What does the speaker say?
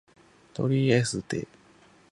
トリエステ